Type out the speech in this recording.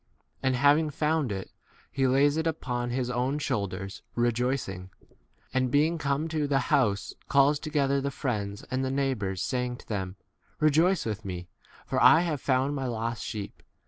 and having found it, he lays it upon his own 6 shoulders, rejoicing ; and being come to the house, calls together the friends and the neighbours, saying to them, Rejoice with me, for I have found my lost sheep.